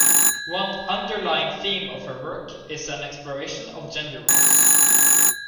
One underlying theme of her work is an exploration of gender roles.